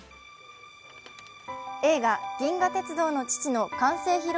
映画「銀河鉄道の父」の完成披露